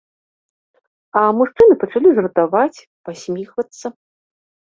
А мужчыны пачалі жартаваць, пасміхвацца.